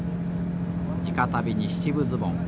地下足袋に七分ズボン